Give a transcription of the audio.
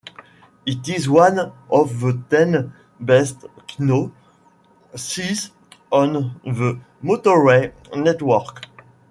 It is one of the ten best-known sights on the motorway network.